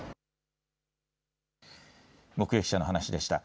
目撃者の話でした。